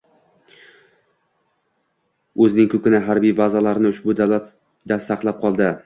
o‘zining ko‘pgina harbiy bazalarini ushbu davlatda saqlab qoldi.